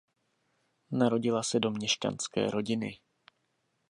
Narodila se do měšťanské rodiny.